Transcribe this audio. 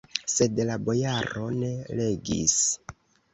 Sed la bojaro ne legis.